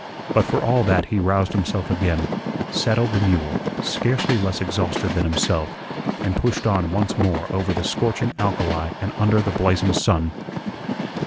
But for all that he roused himself again, saddled the mule, scarcely less exhausted than himself, and pushed on once more over the scorching alkali and under the blazing sun.